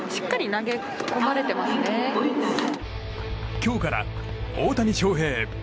今日から、大谷翔平